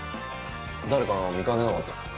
誰か見掛けなかったか？